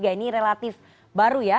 ini relatif baru ya